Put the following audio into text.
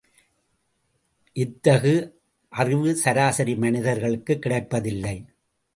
இத்தகு அறிவு, சராசரி மனிதர்களுக்குக் கிடைப்பதில்லை.